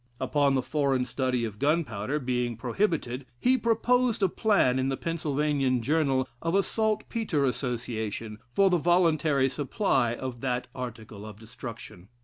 Upon the foreign supply of gunpowder being prohibited, he proposed a plan, in the Pennsylvanian Journal, of a saltpetre association for the voluntary supply of that article of destruction.